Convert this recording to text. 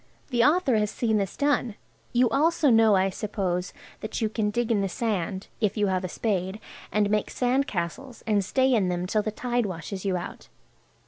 The author has seen this done. You also know, I suppose, that you can dig in the sand (if you have a spade) and make sand castles, and stay in them till the tide washes you out.